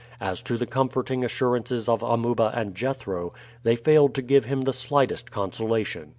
As to the comforting assurances of Amuba and Jethro, they failed to give him the slightest consolation.